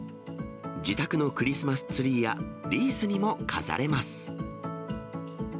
自宅のクリスマスツリーやリースにも飾れます。